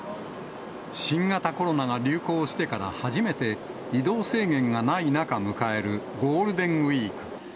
新型コロナが流行してから初めて、移動制限がない中、迎えるゴールデンウィーク。